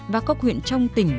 và các huyện trong tỉnh